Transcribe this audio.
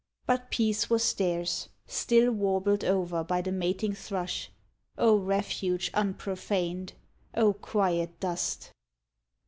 But peace was theirs, THE TRYST Still warbled over by the mating thrush O refuge unprofaned ! O quiet dust!